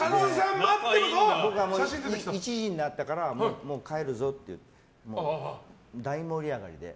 １時になったからもう帰るぞって大盛り上がりで。